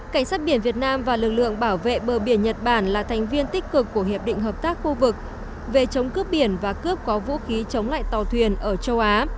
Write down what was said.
cảnh sát biển việt nam và lực lượng bảo vệ bờ biển nhật bản là thành viên tích cực của hiệp định hợp tác khu vực về chống cướp biển và cướp có vũ khí chống lại tàu thuyền ở châu á